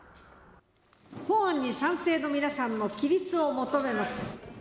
本案に賛成の皆さんの起立を求めます。